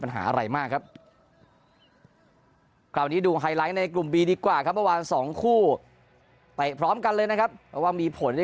ปัญหาอะไรมากครับคราวนี้ดูไฮไลท์ในกลุ่มบีดีกว่าครับว่าสองคู่ไปพร้อมกันเลยนะครับว่ามีผลด้วย